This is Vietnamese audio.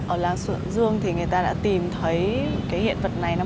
ở làng sượng dương thì người ta đã tìm thấy cái hiện vật này năm một nghìn chín trăm linh một